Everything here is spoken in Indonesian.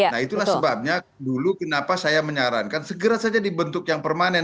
nah itulah sebabnya dulu kenapa saya menyarankan segera saja dibentuk yang permanen